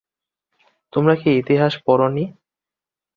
তোমরা কি ইতিহাস পড় নি?